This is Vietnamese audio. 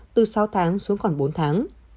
từ sáu tháng xuống còn bốn tháng